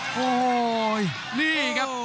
โอ้โหนี่ครับ